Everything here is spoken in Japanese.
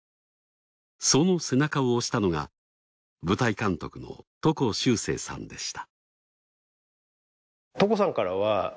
その背中を押したのが舞台監督の床州生さんでした。